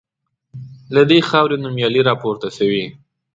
له دې خاوري نومیالي راپورته سوي